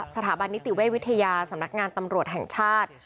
สถาบันนิติเวชวิทยาสำนักงานตำรวจแห่งชาติ